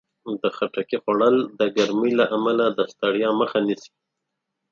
د خټکي خوړل د ګرمۍ له امله د ستړیا مخه نیسي.